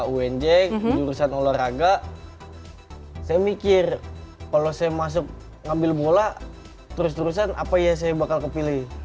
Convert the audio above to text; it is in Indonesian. unj jurusan olahraga saya mikir kalau saya masuk ngambil bola terus terusan apa ya saya bakal kepilih